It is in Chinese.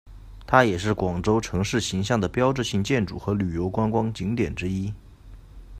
它也是广州城市形象的标志性建筑和旅游观光景点之一。